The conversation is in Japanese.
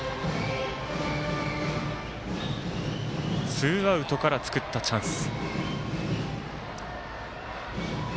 ツーアウトから作ったチャンス。